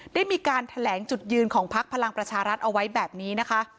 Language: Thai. ได้มีการแถลงจุดยืนของพักพลังประชารัฐเอาไว้แบบนี้นะคะ